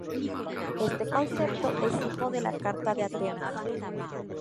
Este concepto es hijo de la carta de Atenas.